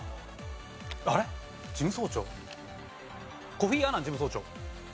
コフィー・アナン事務総長。